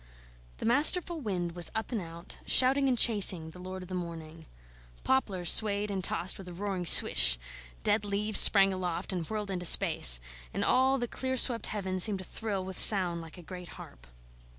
The masterful wind was up and out, shouting and chasing, the lord of the morning. Poplars swayed and tossed with a roaring swish; dead leaves sprang aloft, and whirled into space; and all the clear swept heaven seemed to thrill with sound like a great harp.